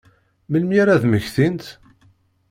Melmi ara ad mmektint?